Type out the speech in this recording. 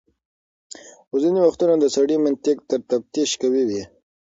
خو ځینې وختونه د سړي منطق تر تفتيش قوي وي.